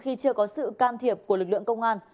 khi chưa có sự can thiệp của lực lượng công an